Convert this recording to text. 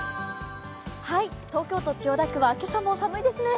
東京都千代田区は今朝も寒いですね。